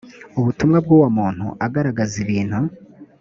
ubutumwa bw uwo muntu agaragaza ibintu